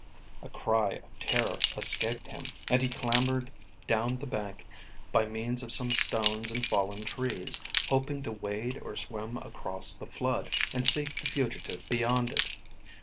A cry of terror escaped him, and he clambered down the bank by means of some stones and fallen trees, hoping to wade or swim across the flood, and seek the fugitive beyond it.